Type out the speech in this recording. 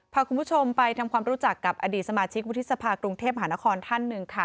พาคุณผู้ชมไปทำความรู้จักกับอดีตสมาชิกวุฒิสภากรุงเทพหานครท่านหนึ่งค่ะ